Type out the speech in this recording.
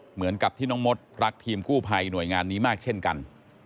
เหมือนกับที่น้องมดรักทีมกู้ภัยหน่วยงานนี้มากเช่นกัน